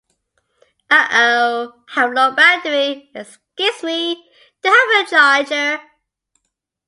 Uh oh, I have low battery. Excuse me, do you have a charger?